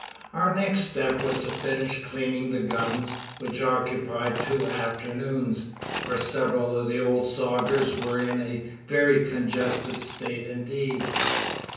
Our next step was to finish cleaning the guns, which occupied two afternoons, for several of the old sogers were in a very congested state indeed.